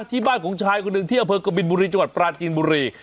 ที่บ้านของชายคนหนึ่งที่อำเภอกบินบุรีจังหวัดปราจีนบุรี